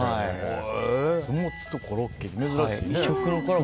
酢モツとコロッケ、珍しい。